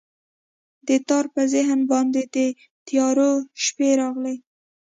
د تار په ذهن باندې، د تیارو شپې راغلي